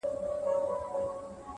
ژمن انسان د خنډونو تر شا نه دریږي؛